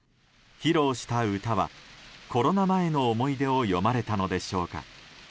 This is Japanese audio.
披露した歌はコロナ前の思い出を詠まれたのでしょうか。